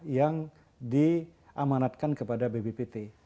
yang diamanatkan kepada bbpt